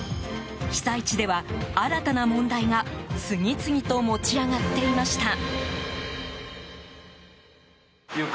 被災地では、新たな問題が次々と持ち上がっていました。